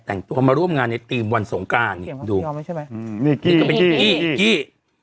แต่งตัวมาร่วมงานในตีมวันสงกานี่ดูอืมนี่ก็เป็นกี้กี้